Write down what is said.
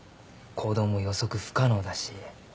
行動も予測不可能だし。